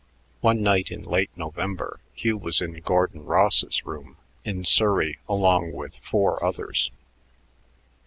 One night in late November Hugh was in Gordon Ross's room in Surrey along with four others.